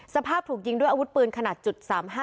สภาพถูกยิงด้วยอาวุธปืนขนาด๓๕